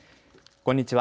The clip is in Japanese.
こんにちは。